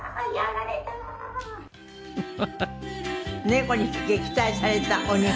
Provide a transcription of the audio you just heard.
猫に撃退された鬼